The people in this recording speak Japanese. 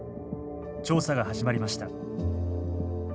調査が始まりました。